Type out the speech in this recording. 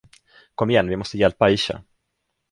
Kom igen, vi måste hjälpa Aisha.